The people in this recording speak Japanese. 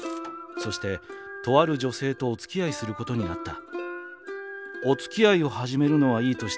そしてとある女性とお付き合いすることになった」。